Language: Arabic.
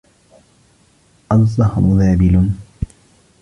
الزَّهْرُ ذابِلٌ.